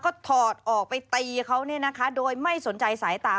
แล้วก็ถอดออกไปตีเขาโดยไม่สนใจสายตา